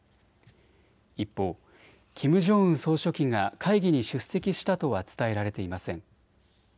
一方、キム・ジョンウン総書記が会議に出席したとは伝えられていません。